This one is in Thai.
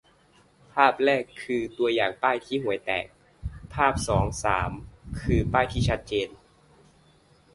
ภาพแรก คือตัวอย่างป้ายที่ห่วยแตก ภาพสอง-สาม คือป้ายที่ชัดเจน